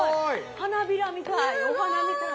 花びらみたいお花みたい。